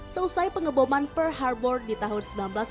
seusai pengeboman pearl harbor di tahun seribu sembilan ratus empat puluh satu